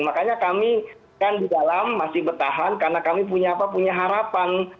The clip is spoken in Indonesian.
makanya kami kan di dalam masih bertahan karena kami punya harapan